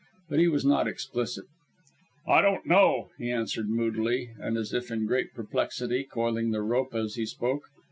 But he was not explicit. "I don't know," he answered moodily, and as if in great perplexity, coiling the rope as he spoke.